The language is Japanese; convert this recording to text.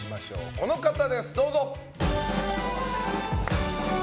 この方です、どうぞ！